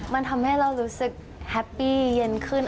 มันทำให้เรารู้สึกแฮปปี้เย็นขึ้น